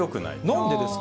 なんでですか？